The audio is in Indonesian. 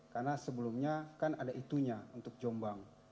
karena sebelumnya kan ada itunya untuk jombang